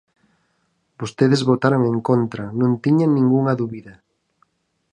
Vostedes votaron en contra, non tiñan ningunha dúbida.